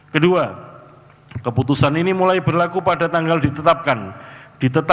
ke dua keputusan ini mulai berlaku pada tanggal ditetapkan di jakarta